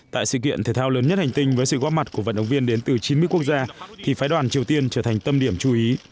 tại sự kiện thể thao lớn nhất hành tinh với sự góp mặt của vận động viên đến từ chín mươi quốc gia thì phái đoàn triều tiên trở thành tâm điểm chú ý